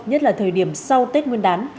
nhất là thời điểm sau tết nguyên đán